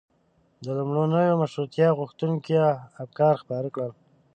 د لومړنیو مشروطیه غوښتونکيو افکار خپاره کړل.